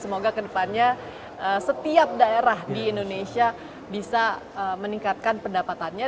semoga kedepannya setiap daerah di indonesia bisa meningkatkan pendapatannya